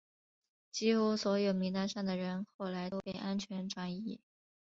几乎所有名单上的人后来都被安全转移。